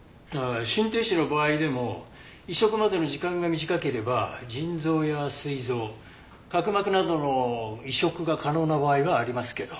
心停止の場合でも移植までの時間が短ければ腎臓や膵臓角膜などの移植が可能な場合はありますけど。